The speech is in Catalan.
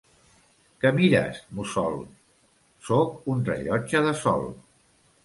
Què mires, mussol?... Soc un rellotge de Sol.